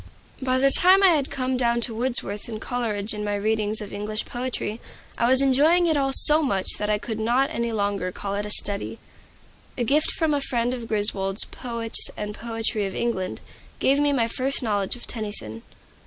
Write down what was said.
By the time I had come down to Wordsworth and Coleridge in my readings of English poetry, I was enjoying it all so much that I could not any longer call it study. A gift from a friend of Griswold's "Poets and Poetry of England" gave me my first knowledge of Tennyson.